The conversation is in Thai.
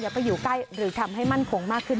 ไปอยู่ใกล้หรือทำให้มั่นคงมากขึ้น